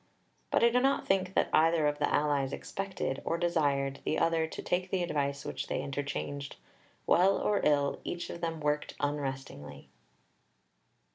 But I do not think that either of the allies expected, or desired, the other to take the advice which they interchanged. Well or ill, each of them worked unrestingly.